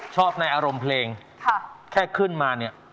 ชอบในอารมณ์เพลงแค่ขึ้นมาเนี่ย